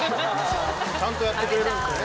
ちゃんとやってくれるんですね。